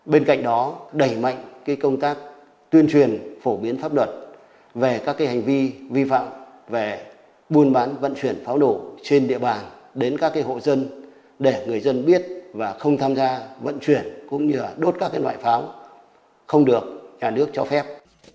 bên cạnh đó đẩy mạnh công tác tuyên truyền phổ biến pháp luật về các hành vi vi phạm về buôn bán vận chuyển pháo nổ trên địa bàn đến các hộ dân để người dân biết và không tham gia vận chuyển cũng như đốt các loại pháo không được nhà nước cho phép